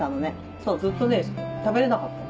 そうずっとね食べれなかったの。